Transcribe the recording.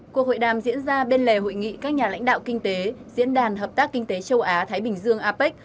cuộc hội đàm diễn ra bên lề hội nghị các nhà lãnh đạo kinh tế diễn đàn hợp tác kinh tế châu á thái bình dương apec